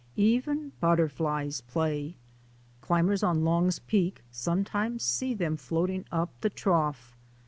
Even butterflies play. Climbers on Long's Peak sometimes see them floating up the Trough.